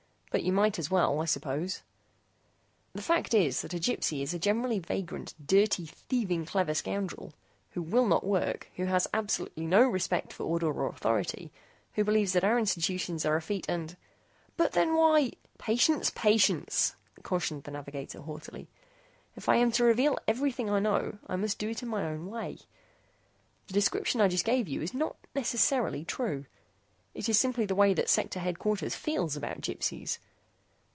But you might as well, I suppose. The fact is that a Gypsy is a generally vagrant, dirty, thieving, clever scoundrel who will not work, who has absolutely no respect for order or authority, who believes that our institutions are effete and " "But then why " "Patience, patience," cautioned the navigator, haughtily, "if I am to reveal everything I know, I must do it in my own way. The description I just gave you is not necessarily true. It is simply the way that Sector Headquarters feels about Gypsies.